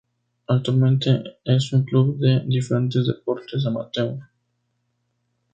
Actualmente es un club de diferentes deportes amateur.